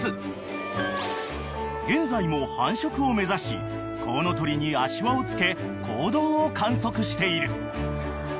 ［現在も繁殖を目指しコウノトリに足環を付け行動を観測している］